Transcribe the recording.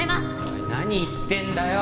おい何言ってんだよ！